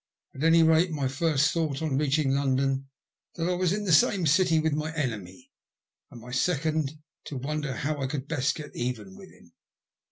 At any rate, my first thought on reaching London was that I was in the same City with my enemy, and my second to wonder how I could best get even with him.